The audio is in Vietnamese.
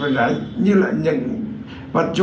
vật dụng như là nhiệt